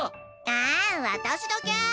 あん私だけ！